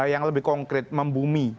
yang lebih konkret membumi